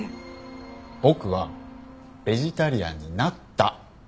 僕はベジタリアンになった。